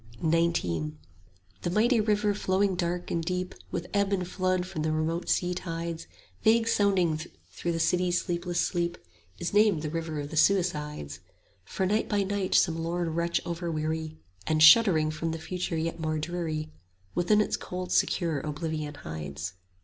XIX The mighty river flowing dark and deep, With ebb and flood from the remote sea tides Vague sounding through the City's sleepless sleep, Is named the River of the Suicides; For night by night some lorn wretch overweary, 5 And shuddering from the future yet more dreary, Within its cold secure oblivion hides.